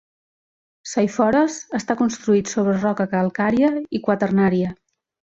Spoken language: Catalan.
Saifores està construït sobre roca calcària i quaternària.